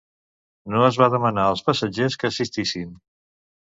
No es va demanar als passatgers que assistissin.